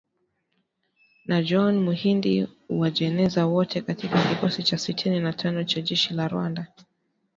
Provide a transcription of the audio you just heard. na John Muhindi Uwajeneza wote kutoka kikosi cha sitini na tano cha jeshi la Rwanda